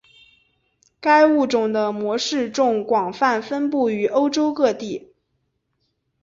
该物种的模式种广泛分布于欧洲各地。